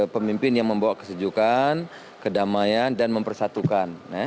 pemimpin yang membawa kesejukan kedamaian dan mempersatukan